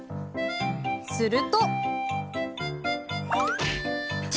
すると。